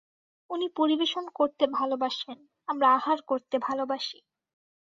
উনি পরিবেশন করতে ভালোবাসেন, আমরা আহার করতে ভালোবাসি।